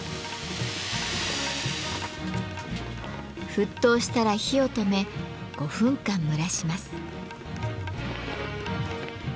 沸騰したら火を止め５分間蒸らします。